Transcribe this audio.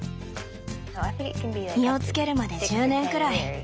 実をつけるまで１０年くらい。